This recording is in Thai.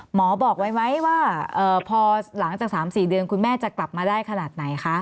หมอบอกไว้ไหมว่าพอหลังจาก๓๔เดือนคุณแม่จะกลับมาได้ขนาดไหนคะ